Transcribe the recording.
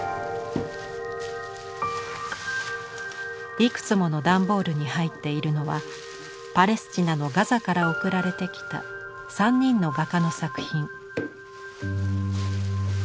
いくつもの段ボールに入っているのはパレスチナのガザから送られてきた３人の画家の作品。